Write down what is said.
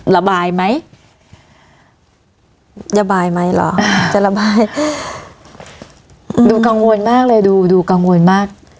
ระบายไหมระบายไหมเหรอจะระบายดูกังวลมากเลยดูดูกังวลมาก